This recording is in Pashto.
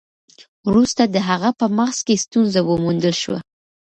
وروسته د هغه په مغز کې ستونزه وموندل شوه.